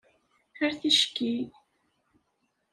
Ar ticki!